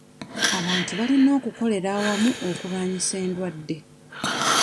Abantu balina okukolera awamu okulwanyisa endwadde.